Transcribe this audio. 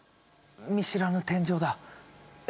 見知らぬ天井だ。え？